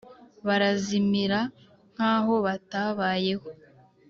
barazimira nk’aho batabayeho,